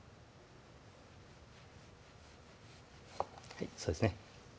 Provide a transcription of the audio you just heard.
はいそうですね